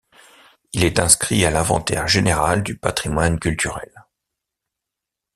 Il est inscrit à l'inventaire général du patrimoine culturel.